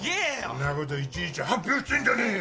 んなこといちいち発表してんじゃねえよ。